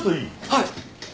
はい。